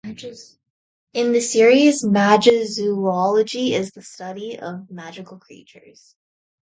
In the series, Magizoology is the study of magical creatures.